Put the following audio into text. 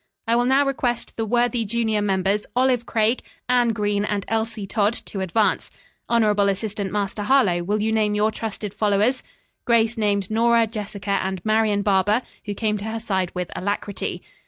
"I will now request the worthy junior members Olive Craig, Anne Green and Elsie Todd, to advance. Honorable Assistant Master Harlowe, will you name your trusted followers?" Grace named Nora, Jessica and Marian Barber who came to her side with alacrity.